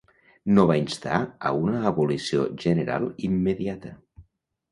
No va instar a una abolició general immediata.